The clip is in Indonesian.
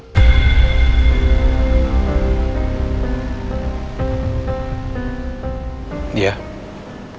ini soal bela om